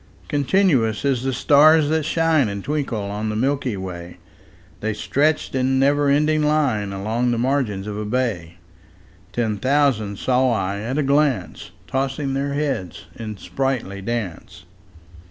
Continuous as the stars that shine And twinkle on the milky way, The stretched in never ending line Along the margin of a bay: Ten thousand saw I at a glance, Tossing their heads in sprightly dance.